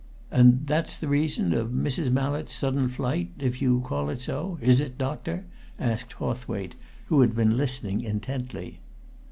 "And that's the reason of Mrs. Mallett's sudden flight if you call it so; is it, doctor?" asked Hawthwaite, who had been listening intently.